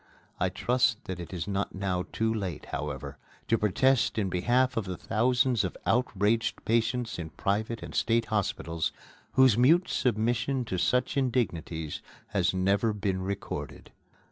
I trust that it is not now too late, however, to protest in behalf of the thousands of outraged patients in private and state hospitals whose mute submission to such indignities has never been recorded.